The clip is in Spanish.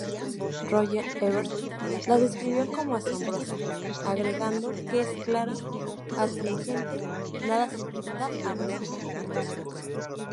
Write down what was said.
Roger Ebert la describió como "asombrosa", agregando que es "clara, astringente, nada sentimental, abrupta".